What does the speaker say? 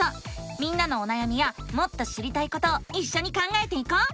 みんなのおなやみやもっと知りたいことをいっしょに考えていこう！